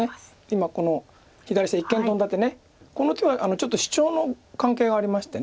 今この左下一間トンだ手この手はちょっとシチョウの関係がありまして。